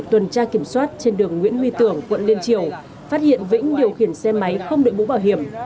tuần tra kiểm soát trên đường nguyễn huy tưởng quận liên triều phát hiện vĩnh điều khiển xe máy không đội bũ bảo hiểm